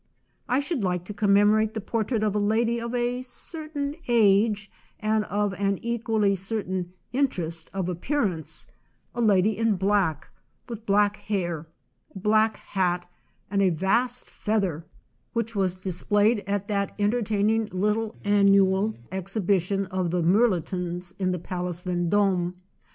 I should like to commemorate the portrait of a ladjr of a certain age, and of an equally certain interest of appearance â a lady in black, with black hair, a black hat, and a vast feather, which was displayed at that en tertaining little annual exhibition of the " Mirlitons," in the Place Venddme.